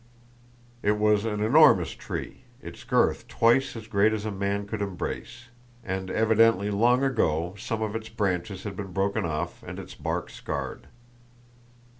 It was an enormous tree, its girth twice as great as a man could embrace, and evidently long ago some of its branches had been broken off and its bark scarred.